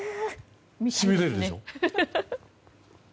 しびれるでしょ。